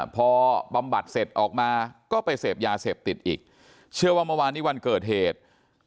พอบำบัดเสร็จออกมาก็ไปเสพยาเสพติดอีกเชื่อว่าเมื่อวานนี้วันเกิดเหตุ